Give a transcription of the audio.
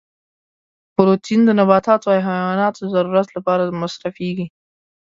پروتین د نباتاتو او حیواناتو د ضرورت لپاره مصرفیږي.